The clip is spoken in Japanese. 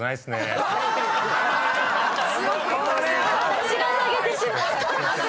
私が下げてしまった。